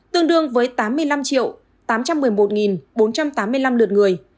tương đương với tám mươi năm tám trăm một mươi một bốn trăm tám mươi năm lượt người